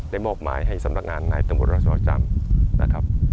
มอบหมายให้สำนักงานนายตำรวจราชจังนะครับ